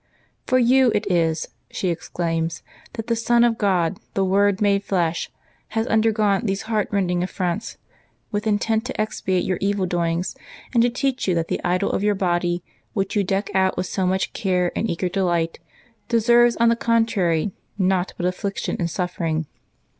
" For you it is," she exclaims, " that the Son of God, the Word made flesh, has undergone these heart rending affronts, with intent to expiate your evil doings, and to teach you that the idol of your body, which you deck out with so much care and eager delight, deserves, on the con trary, naught but affliction and suffering.